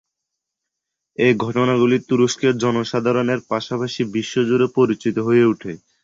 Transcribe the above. এই ঘটনাগুলি তুরস্কে জনসাধারণের পাশাপাশি বিশ্বজুড়ে পরিচিত হয়ে ওঠে।